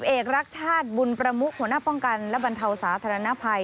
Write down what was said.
เอกรักชาติบุญประมุกหัวหน้าป้องกันและบรรเทาสาธารณภัย